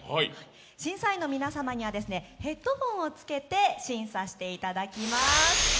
審査員の皆さんにはヘッドホンをつけて審査していただきます。